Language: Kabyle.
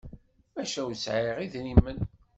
Maca ur sɛiɣ idrimen.